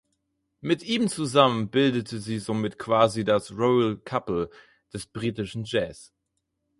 Mit ihm zusammen bildete sie somit quasi das „Royal Couple“ des britischen Jazz.